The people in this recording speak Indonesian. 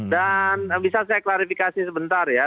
dan bisa saya klarifikasi sebentar ya